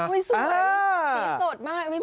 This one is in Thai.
สวยดีสดมากพี่เพิร์ก